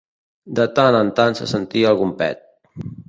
De tant en tant se sentia algun pet.